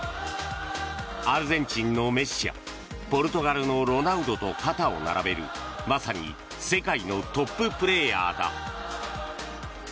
アルゼンチンのメッシやポルトガルのロナウドと肩を並べるまさに世界のトッププレーヤーだ。